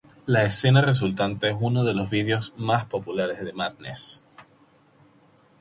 La escena resultante es uno de los vídeos más populares de Madness.